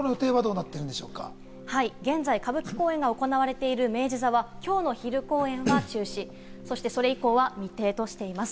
現在、歌舞伎公演が行われている明治座は、きょうの昼公演は中止、それ以降は未定としています。